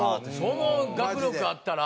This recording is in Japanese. その学力あったら。